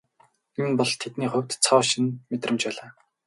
Энэ бол тэдний хувьд цоо шинэ мэдрэмж байлаа.